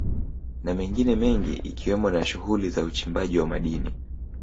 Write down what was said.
Na mengine mengi ikiwemo na shughuli za uchimbaji wa madini